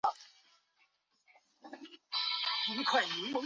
由此可见的隋朝的富庶与强盛。